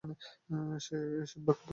সে সিম্বাকে প্রচুর ভালোবাসে।